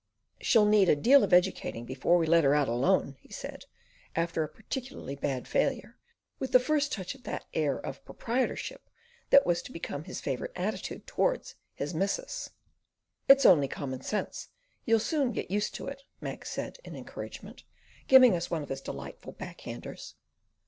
"She'll need a deal of educating before we let her out alone," he said, after a particularly bad failure, with the first touch of that air of proprietorship that was to become his favourite attitude towards his missus. "It's only common sense; you'll soon get used to it," Mac said in encouragement, giving us one of his delightful backhanders.